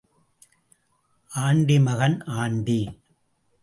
Aunty மகன் aunty.